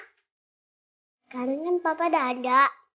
sekarang kan papa dada